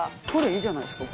・いいじゃないっすか。